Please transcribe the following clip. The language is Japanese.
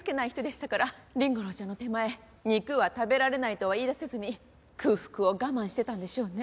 凛吾郎ちゃんの手前肉は食べられないとは言い出せずに空腹を我慢してたんでしょうね。